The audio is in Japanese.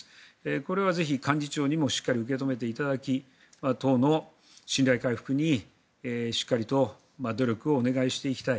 これはぜひ幹事長にもしっかり受け止めていただき党の信頼回復にしっかりと努力をお願いしていきたい